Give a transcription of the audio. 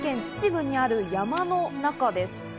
秩父にある山の中です。